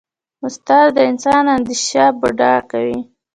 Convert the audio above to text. استاد د انسان اندیشه بډایه کوي.